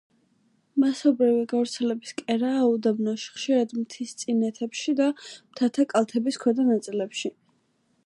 მასობრივი გავრცელების კერაა უდაბნოში, ხშირად მთისწინეთებში და მთათა კალთების ქვედა ნაწილებში.